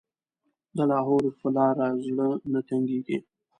د لاهور په لاره زړه نه تنګېږي.